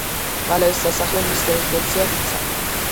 მალე ეს სასახლე მის რეზიდენციად იქცა.